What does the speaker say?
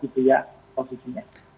jadi itu yang saya pikirkan